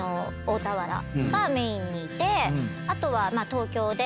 あとは東京で。